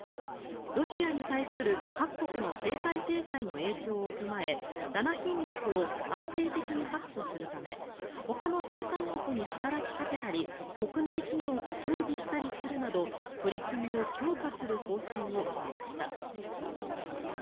ロシアに対する各国の経済制裁の影響を踏まえ７品目を安定的に確保するためほかの生産国に働きかけたり国内企業と協議したりするなど取り組みを強化する方針を決めました。